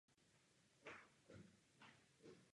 Kvetou od května do července.